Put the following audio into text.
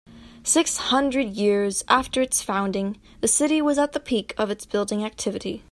Six hundred years after its founding, the city was at the peak of its building activity.